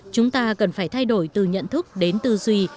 chúng ta cần phải thay đổi từ nhận thức đến tư duy